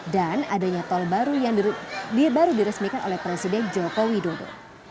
dan adanya tol baru yang dirut dia baru diresmikan oleh presiden joko widodo